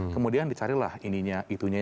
kemudian dicarilah ininya itunya